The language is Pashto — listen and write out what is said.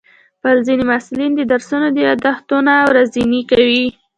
ځینې محصلین د درسونو یادښتونه ورځني کوي.